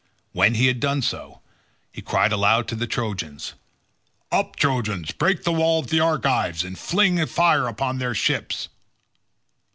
When he had done so, he cried aloud to the Trojans, "Up, Trojans, break the wall of the Argives, and fling fire upon their ships."